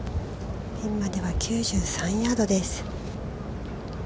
◆ピンまでは９３ヤードです。